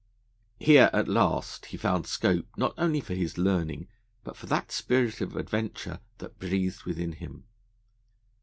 Here at last he found scope not only for his learning, but for that spirit of adventure that breathed within him.